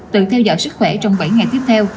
tự theo dõi sức khỏe trong bảy ngày tiếp theo